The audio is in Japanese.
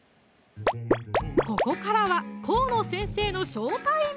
ここからは河野先生のショータイム！